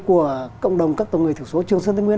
của cộng đồng các tổng người thiểu số trường sơn tây nguyên